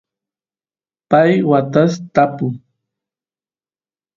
pay watas tapu